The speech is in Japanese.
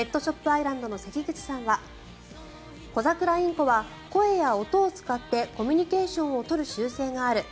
アイランドの関口さんはコザクラインコは声や音を使ってコミュニケーションを取る習性がある。